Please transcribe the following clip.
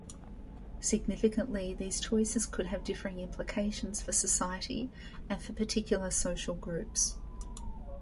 Significantly, these choices could have differing implications for society and for particular social groups.